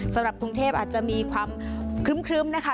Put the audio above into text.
สำหรับกรุงเทพอาจจะมีความครึ้มนะคะ